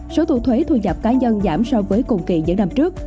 số thu thuế thu nhập cá nhân giảm so với cùng kỳ giữa năm trước